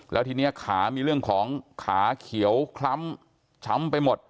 แล้วทีนี้ขามีเรื่องของขาเขียวคล้ำช้ำไปหมด